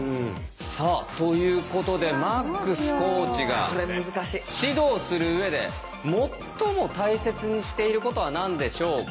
さあということでマックスコーチが指導するうえで最も大切にしていることは何でしょうか？